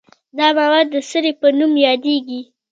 دا مواد د سرې په نوم یادیږي.